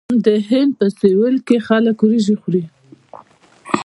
د هند په سویل کې خلک وریجې خوري.